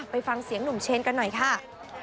ไปฟังเสียงหนุ่มเชนกันหน่อยค่ะ